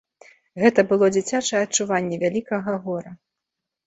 Гэта было дзіцячае адчуванне вялікага гора.